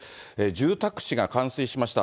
住宅地が冠水しました